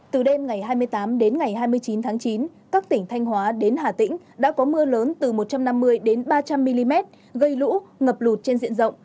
từ đêm ngày hai mươi tám đến ngày hai mươi chín tháng chín các tỉnh thanh hóa đến hà tĩnh đã có mưa lớn từ một trăm năm mươi đến ba trăm linh mm gây lũ ngập lụt trên diện rộng